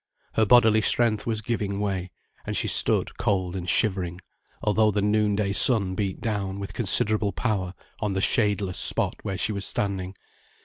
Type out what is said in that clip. Her bodily strength was giving way, and she stood cold and shivering, although the noon day sun beat down with considerable power on the shadeless spot where she was standing.